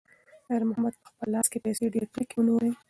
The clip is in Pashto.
خیر محمد په خپل لاس کې پیسې ډېرې کلکې ونیولې.